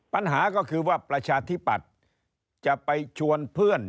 ปัญหาก็คือว่าประชาธิปัตย์จะไปชวนเพื่อน